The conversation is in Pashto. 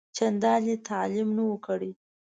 چنداني تعلیم نه وو کړی.